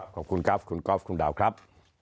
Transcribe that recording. ขอบคุณครับคุณก๊อฟคุณดาวครับ